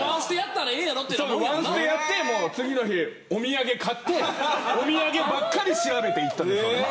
１ステやって次の日お土産買ってお土産ばっかり調べて行ったんです。